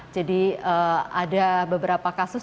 jadi ada beberapa kasus